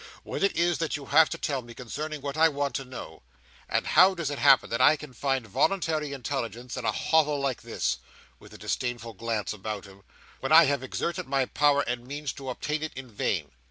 What is it that you have to tell me concerning what I want to know; and how does it happen that I can find voluntary intelligence in a hovel like this," with a disdainful glance about him, "when I have exerted my power and means to obtain it in vain?